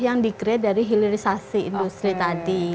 yang di create dari hilirisasi industri tadi